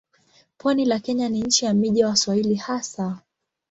Pwani la Kenya ni nchi ya miji ya Waswahili hasa.